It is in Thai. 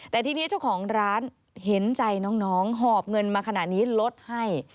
แต่ทีนี้เจ้าของร้านเห็นใจน้องหอบเงินมาขนาดนี้ลดให้